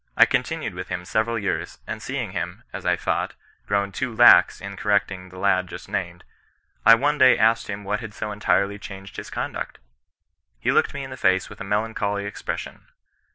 I continued with him several years, and seeing him, as I thought, grown too lax in correcting the lad just named, I one day asked him what had so entirely changed his conduct ? He looked me in the face with a melancholy expression.